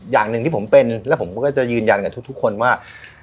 อย่างหนึ่งที่ผมเป็นแล้วผมก็จะยืนยันกับทุกคนว่า